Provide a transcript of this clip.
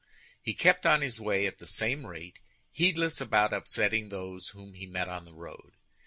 He kept on his way at the same rate, heedless about upsetting those whom he met on the road.